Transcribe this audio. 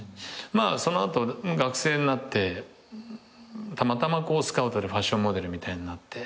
その後学生になってたまたまスカウトでファッションモデルみたいになって。